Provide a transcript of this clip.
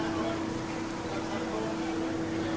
สวัสดีค่ะ